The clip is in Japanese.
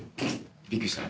びっくりした？